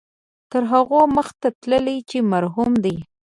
تر هغو مخته تللي چې محروم دي.